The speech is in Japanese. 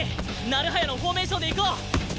成早のフォーメーションでいこう！